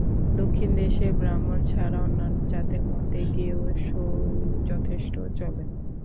দক্ষিণ-দেশে ব্রাহ্মণ ছাড়া অন্যান্য জাতের মধ্যে গেঁয়ো শোরও যথেষ্ট চলে।